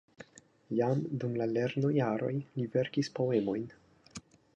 Jam dum la lernojaroj li verkis poemojn.